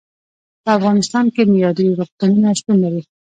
په افغانستان کې معیارې روغتونونه شتون لري.